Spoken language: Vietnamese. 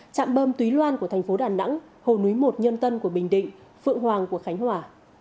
trạm bơm túy loan của thành phố đà nẵng hồ núi một nhân tân của bình định phượng hoàng của khánh hòa